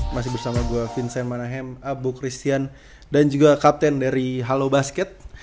masih bersama gue vincent manahem abu christian dan juga kapten dari halo basket